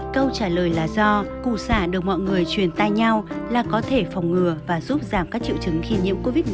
câu trả lời là do cụ xả được mọi người truyền tai nhau là có thể phòng ngừa và giúp giảm các triệu chứng khi nhiễm covid một mươi chín